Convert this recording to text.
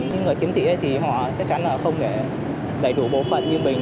những người kiếm thị thì họ chắc chắn là không thể đẩy đủ bộ phận như mình